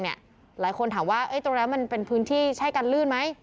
หลายคนถามว่าตรงนั้นมันเป็นพื้นที่ใช่กันลื่นไหม